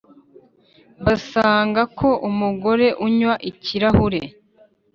Basanga ko umugore unywa ikirahure